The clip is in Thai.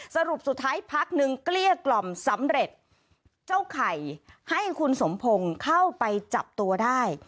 สรุปสุดท้ายพักนึงเกลี้ยกล่อมสำเร็จเจ้าไข่ให้คุณสมพงศ์เข้าไปจับตัวได้